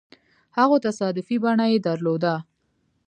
هغو تصادفي بڼه يې درلوده.